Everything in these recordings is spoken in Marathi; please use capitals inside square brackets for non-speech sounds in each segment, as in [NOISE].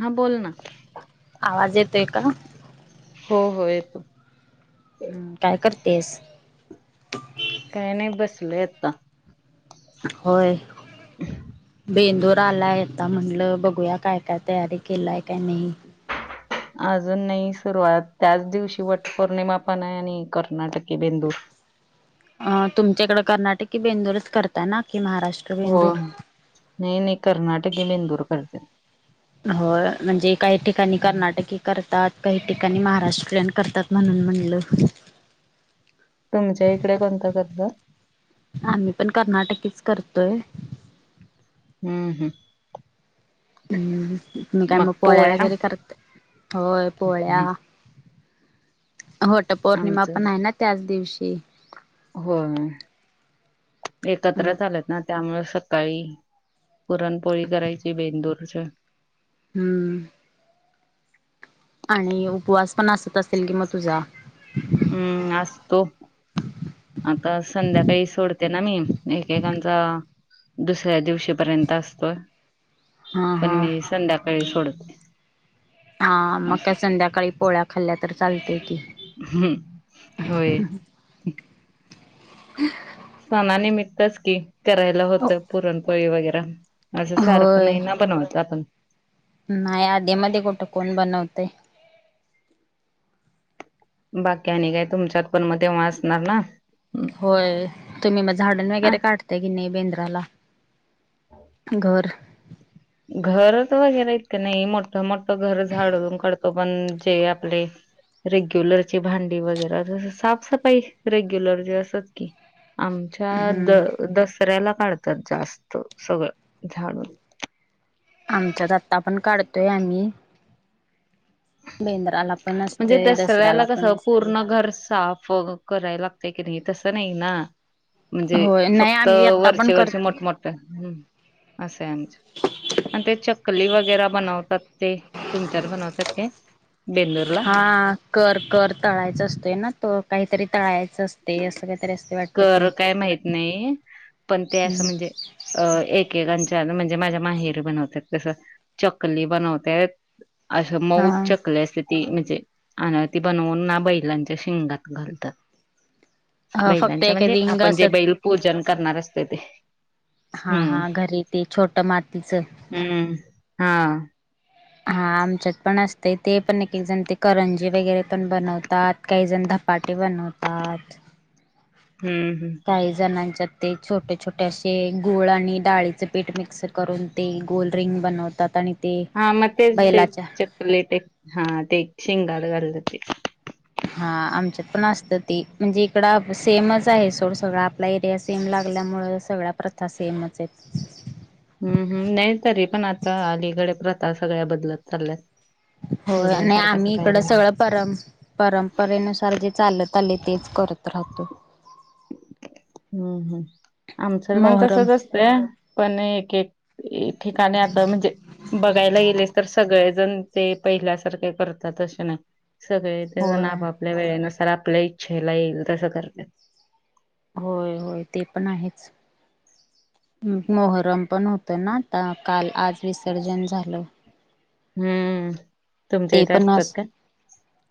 हा बोल ना आवाज येतोय का? हो हो येतो. हम्म काय करतीयस? काही नाही बसलोय आत्ता. होय. [INAUDIBLE] बेंदूर आलाय आता म्हणलं बघूया काय काय तैयारी केलाय काय नाही अजून नाही सुरुवात त्याच दिवशी वट पौर्णिमा पण आहे आणि कर्नाटकी बेंदूर. अ तुमच्याकडं कर्नाटकी बेंदूरच करता ना? कि महाराष्ट्र हो बेंदूर? नई नई कर्नाटकी बेंदूर करते होय म्हणजे काही ठिकाणी कर्नाटकी करतात काही ठिकाणी महाराष्ट्रीयन करतात म्हणून म्हणलं तुमच्या इकडे कोणता करतात? आमी पण कर्नाटकीच करतो अअ [INAUDIBLE] हम्म हम्म हम्म तुमी काय मग पोळ्या वगैरे करत होय पोळ्या हम्म. होत पौर्णिमा पण आहे ना त्याच दिवशी हो मग एकत्रच आलेत ना त्यामुळे सकाळी पुरणपोळी करायची बेंदूरच हम्म आणि उपवास पण असत असेल कि मग तुझा हम्म असतो आता संध्याकाळी सोडते ना मी एकेकांचा दुसऱ्या दिवशीपर्यंत असतोय हा पण हा मी संध्याकाळी सोडतो हा मग अस काय संध्याकाळी पोळ्या खाल्ल्या तर चालते की हम् होय हम [INAUDIBLE] हम् [UNINTELLIGIBLE] सणानिमित्तच की करायला होतं पुरणपोळी वगैरा असं सारखं होय नाही ना बनवत आपण नाही आधी मधे कुठं कोण बनवतय बाकी् आणि काय तुमच्यात पण मग तेव्हा असणार ना होय तुम्ही मग झाडण अ वगैरे काढता की नाही बेंद्राला घर घर तर वगैरे इतक नाही मोठ मोठं घर झाडून काढतो पण जे आपले रेग्युलरची भांडी वगैर साफसफाई रेग्युलर जे असत की आमच्या हम्म द दसऱ्याला काढतात जास्त सगळं झाडून आमचा दत्ता पण काढतोय आम्ही बेंद्राला पण म्हणजे असते दसऱ्याला कस पण असते पूर्ण घर साफ फो करायला लागतय की नाही तसं नाही ना म्हणजे होय नाही फक्त आम्ही आत्ता वरष पण वर्ष करतोय मोठमोठ हम् असं आहे आमचं आणि ते चकली वगैरे बनवतात ते तुमच्या बनवतात ते बेंदूरला हा कर कर तळायचा असतोय ना तो काहीतरी तळायचा सस्ते असं काहीतरी असते वाटत ते कर काय माहित नाही पण ते असं हम्म म्हणजे अ एककां म्हणजे माझ्या माहेर बनवत तस चकली बनवत असं मऊ हा चकलं अस ती म्हणजे अन ती बनवून ना बैलांच्या शिंगात घालतात फक्त बैलांच एक म्हणजे रिंग आपण जे असत बैल पूजन करणार असत ते हा हम्म हा घरी ते छोट मातीचं हम्म हा हा आमच्यात पण असते ते पण एक एक जण ते करंजी वगैरे पण बनवतात काही जण पाटी बनवतात हम्म हम्म काही जणांची त्यात ते छोटे छोटे असे गूळ आणि डाळीचे पीठ मिक्स करून ते गोल रिंग बनवतात आणि लाडू बनवतात हा म ते ते चकले ते हा ते शेंगा शेंगा चे लाडू बणवितात हा आमच्यात पण असतं ती म्हणजे इकड सेमच आहे सोड सगळं आपला एरिया सेम लागल्यामुळे आपण सर्व एकच आहे मुळेळ सगळ्या प्रथा सेमच आहेत हम्म हम् नाही तरी पण आता अलीकडे प्रथा सगळ्या बदलत चालल्यात हो आणि पहिल्यासारखंच आम्ही काय इकडं राहिलं नाही. सगळं पर परंपरेनुसार जे चालत आले तेच करतो परत लावतो हम्म हम् आमचंर पण मोहरम. तसच असत पण एक एक ठिकाणी आता म्हणजे बघायला लय लेकर सगळे ते पहिल्या सारखे करतात ना सगळेण होय आपापल्या वेळे न करतो तर आपल्या इच्छेला येईल तसं करते होय होय ते पण आहेच मोहरम पण होत ना काल आज विसर्जन झालं हम्म तुमच्या ते इथे पण असतात का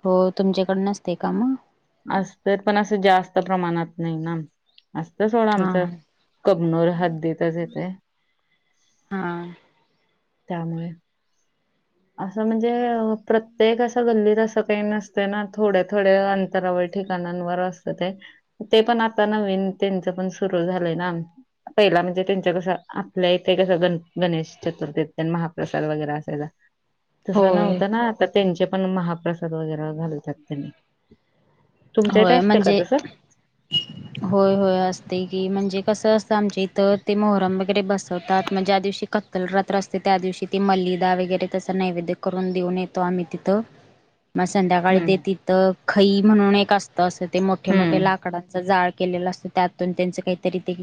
हो तुमच्याकड नसते का मग आसं पणस जास्त प्रमाणात निणाम आसपास हा कबुणुर हा दिवसात होत आहे आ त्यामुळे असं म्हणजे प्रत्येक असं गल्लीत का न ना थोड थोड अंतरा ठण अस पण आ ताई त्याच्या पण सुरू झाले ना पहिला म्हणजे गणेश चतुर्थी महाप्रसाद वगैरे असायला तसं होय नव्हतं ना आता त्यांचे पण महाप्रसाद वगैरे घालतात त्यांनी तुमच्या इथे होय असते का म्हणजे तसं होय होय असते कि म्हणजे कसं असतं आमच्या इ तर ते मोहरम वगैरे बसवतात मग ज्या दिवशी कत्तल रात्र असते त्या दिवशी ते मलिदा वगैरे तस नैवेद करून देऊन येतो आम्ही तिथं मग संध्याकाळी हम्म ते तिथं खई म्हणून एक असतं असं ते मोठे मोठे हम्म लाकडांचं जाड केले असत त्यातून त्यांच काहीतरी ते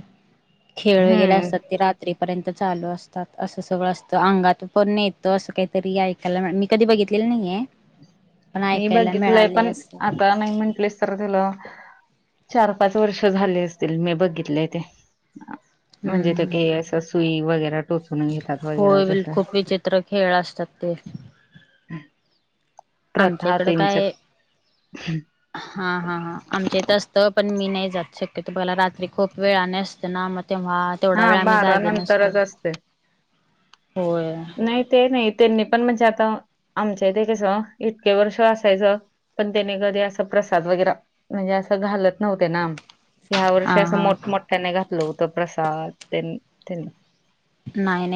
खेळ वगैरे हम्म असतात ते रात्रीपर्यंत चालू असतात असं सगळं असतं अंगात पण येतं असं काहीतरी ऐकायला मी कधी बघितलेलं नाहीय आवाज नाही मी बघितलंय पण आता नाही म्हंटले तर तुला चार पाच वर्ष झाले असतील मी बघितलेय ते म्हणजे त हम्म का असं सुई वगैर टोचून घेतात वगैरे होय तस खूप विचित्र खेळ असतात ते आमच्या इकडं काय हा हा हा आमच्यात असत. पण, मी नाही जात शक्यतो बला रात्री खूप वेळानं असतं ना म तेव्हा तेवढा हा वेळ आम्ही बारा जागे नसतो नंतरच असते होय नाही ते नाही त्यांनी पण म्हणजे आता आमच्या ते कसं इतके वर्ष असायचं पण त्याने कधी अस प्रसाद वगैरा म्हणजे अस घालत नव्हते ना ह्या वर्षी हा असं हा मोठमोठ्याने घातलं होतं प्रसाद त्यांनी [INAUDIBLE]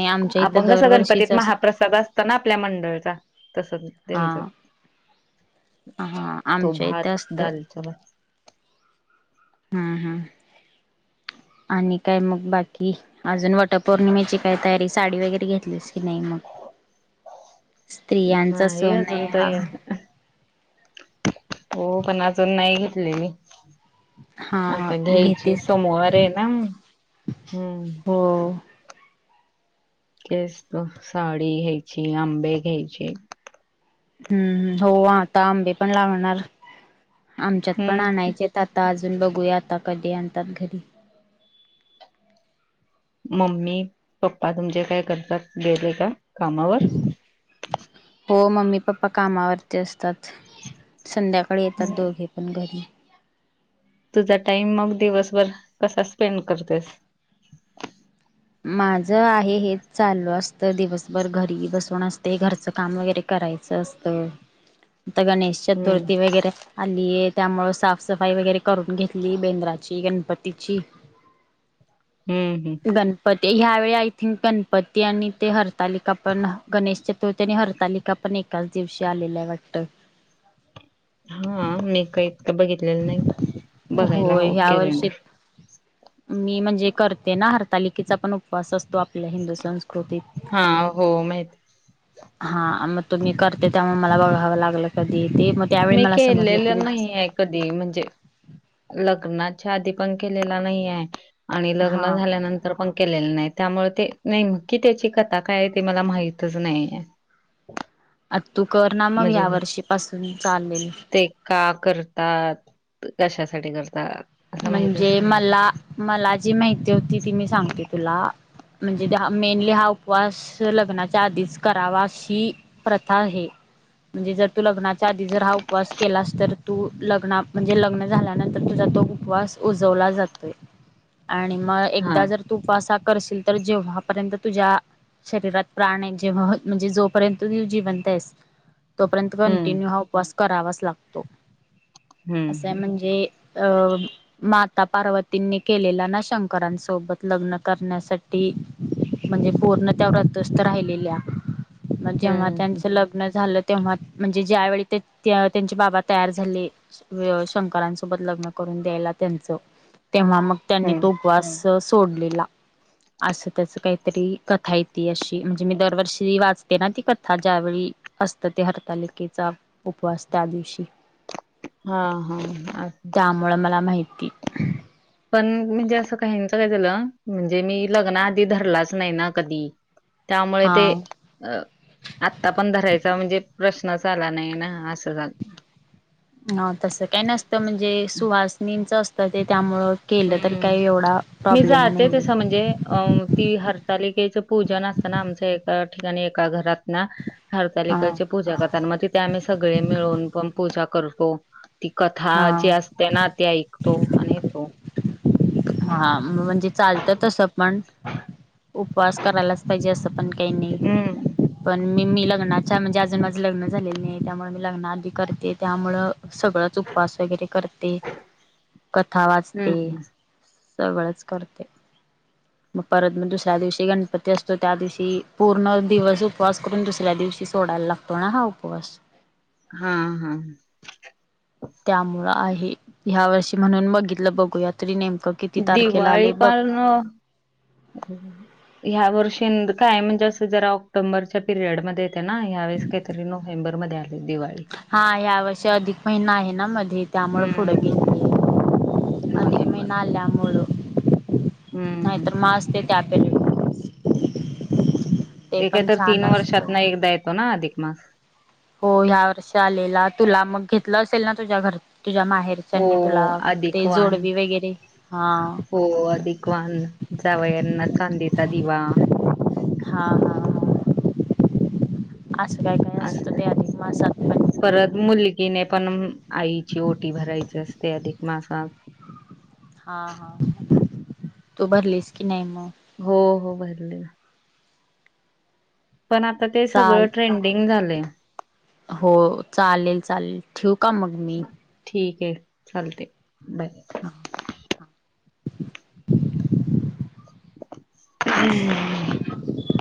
आमच्या इथं आपण कस दरवर्षीच गणपतीत असत महाप्रसाद असताना आपल्या मंडळाचा तस हा त्यांचं हा तो आमच्या भात इथं असत दालचा भात हा हा आणि काय मग बाकी अजून वटपौर्णिमेची काय तयारी साडी वगैरे घेतलीस की नाही मग स्त्रियांचा नाही सन अजून आहे तर हा हो पण अजून नाही घेतलेली हा आता घ्यायची घेतेस सोमवार आहे ना मग हम्म हो केस साडी घ्यायची आंबे घ्यायचे हम्म हो आता आंबे पण लागणार आमच्यात पण हम्म आणायचेत आता आज अजून बघूया आता कधी आणतात घरी मम्मी पप्पा तुमचे काय करतात गेले का कामावर हो मम्मी पप्पा कामावरती असतात संध्याकाळी येतात दोघे पण घरी तुझा टाईम मग दिवसभर कसा स्पेंड करतेस? माझ आहे हे चालू असतं दिवसभर घरी बसून असते घरचं काम वगैरे कर उठायचं असत, तर गणेश हम्म चतुर्थी वगैरे- आलीये त्यामुळे साफसफाई वगैरे करून घेतली बेंद्राची गणपतीची. हम्म हम्म ह्या वेळी आय थिंक गणपती आणि ते हरतालिका पण गणेश चतुर्थी आणि हरतालिका पण- पण एकाच दिवशी आलेला आहे वाटत. हा मी काही इतक बघितलेलं नाही बघायला होय हवं ह्या वर्षी कॅलेंडर. मी म्हणजे करते ना हरतालिकेचा पण उपवास असतो. आपल्या हिंदू संस्कृती - हा हो माहित हा मग तुम्ही करते त्यामुळे मला बघावं लागलं कधी - मी केलेलं नाही आहे कधी म्हणजे लग- लग्नाच्या आधी पण केलेला नाही आहे आणि हा लग्न झाल्यानंतर पण केलेलं नाही. त्यामुळे ते नेमकीि त्याची कथा काय ते मला माहितच नाही आहे. आ तू कर ना मग या वर्षी पासून. चालेल ते का करतात कशासाठी करतात? असं माहितच म्हणजे नाही मला मला जी माहिती होती ती मी सांगते तुला, म्हणजे मेनली हा उपवास लग्नाच्या आधीच करावा हशी प्रथा आहे. म्हणजे जर तू लग्नाच्या आधी जर हा उपवास केलास तर तू लग्ना म्हणजे लग्न झाल्यानंतर तुझा तो- उपवास उजवला जातोय आणि मग हा. एकदा जर तुसा- करशील तर जेव्हापर्यंत तुझ्या - शरीरात प्राण जेव्हा म्हणजे जोपर्यंत जिवंत आहेस, तोपर्यंत हम्म कंटिन्यू हा उपवास करावाच लागतो असं हम्म म्हणजे - अ माता पार्वतींनी केलेला ना शंकरांसोबत लग्न करण्यासाठी. म्हणजे पूर्ण त्या व्रतस्थ राहिलेल्या मग जेव्हा हम्म त्यांच लग्न झालं, तेव्हा म्हणजे ज्यावेळी ते त्यांचे बाबा तयार झाले शंकरांसोबत लग्न करून द्यायला त्यांच तेव्हा मग त्यांनी तो हम्म उपवास सोडलेला असं त्याच काहीतरी कथा येते अशी म्हणजे मी दरवर्षी वाचते ना ती कथा ज्यावेळी असत ते हरतालिकेचा उपवास त्या दिवशी हा हा अ त्यामुळे मला माहिती पण म्हणजे असं काहीच काय झालं म्हणजे मी लग्न आधी धरलाच नाही ना कधी त्यामुळे हा ते अ आत्ता पण धरायचा म्हणजे प्रश्न ला नाही ना असं झा हा तस काही नसतं म्हणजे सुहासनींच असतं ते त्यामुं केलं तर हम्म काही एवढं मी जाते तस म्हणजे अ ती हरतालिकेचं पूजन असताना आमचं ए ा एका घरात ना हा हरतालिकची पूजा करतात मग तिथे आम्ही सगळे मिळून पण पूजा करतो ती कथा हा जी असते ना ते ऐकतो आणि येतो हा म्हणजे चालत तसं पण उपवास करायलाच पाहिजे असं पण कानी हम्म. मी मी लग्नाच्या म्हणजे अजून माझं लग्न झालेलं नाही त्यामुळे मी लग्न आधी करते त्यामुळ सगळांच उपवास वगैरे करते कथा वाचते हम्म सगळंच करते मग परत मग दुसऱ्या दिवशी गणपती असतो त्या दिवशी पूर्ण दिवस उपवास करून दुसऱ्या दिवशी सोडायला लागतो ना हा उपवास हा हा त्यामुळ आहे ह्या वर्षी म्हणून बघितलं बघूया तरी नेम किती तारखेला दिवाळी आले बघ पण अ, ह्या वर्षी काय म्हणजे असं जरा ऑक्टोंबरच्या पिरियड मध्ये येते ना ह बावीस केरी नोव्हेबर मध्ये आली दिवाळी. हा या वर्षी अधिक महिना आहे ना मध्ये त्यामु पुढं हम्म गे अधिक नोव्हेंबर मेनल्यामुळेळं हम्म नाही हम्म. तर म अस ते त्याप ते तर तीन वर्षात ना एकदा येतो ना अधिक मास लं असेल ना तुझ्या घर तुझ्या हो माहेरच्यानी तुला ते अधिकवान जोडवी वगैरे हा जावयाना कांदेचा दिवा हा हा हा असं काय काय अस असतं ते अधिक मासात पण परत मुलगीने पण आईची ओटी भरायची असते अधिक मासात हा हा तू भरलीस की नाही मग हो हो भरले पण आता ते सगळं चाल ट्रेंडिंग झालंय हो चालेल चालेल ठेव का मग मी ठीक चालते बाय हा हा हम्